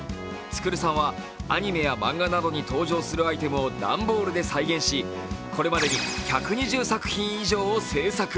つくるさんはアニメや漫画などに登場するアイテムをダンボールで再現し、これまでに１２０作品以上を製作。